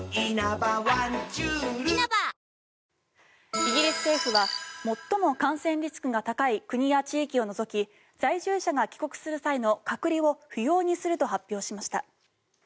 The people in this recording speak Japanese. イギリス政府は最も感染リスクが高い国や地域を除き在住者が帰国する際の隔離を不要にすると発表しました。